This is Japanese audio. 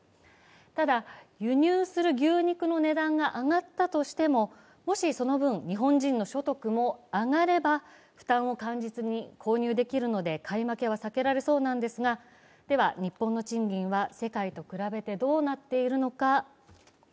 ただ、輸入する牛肉の値段が上がったとしてももしその分、日本人の所得も上がれば負担を感じずに購入できるので買い負けは避けられそうなんですが、では、日本の賃金は世界と比べてどうなっているのか。